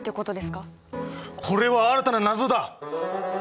これは新たな謎だ。